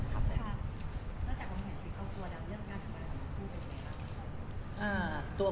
ครับแล้วแต่ผมเห็นชีวิตเขาตัวดังเรื่องงานของมันคือเป็นไงครับ